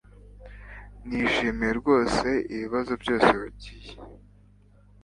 nishimiye rwose ibibazo byose wagiye